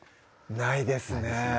ないですね